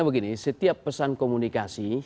begini setiap pesan komunikasi